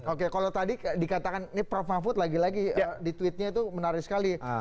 oke kalau tadi dikatakan ini prof mahfud lagi lagi di tweetnya itu menarik sekali